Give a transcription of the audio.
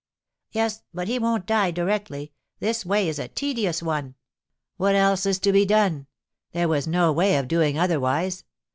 "Yes, but he won't die directly; this way is a tedious one." "What else is to be done? There was no way of doing otherwise.